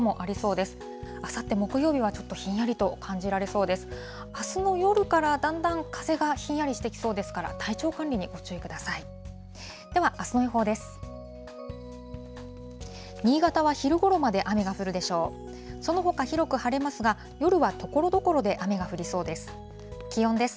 では、あすの予報です。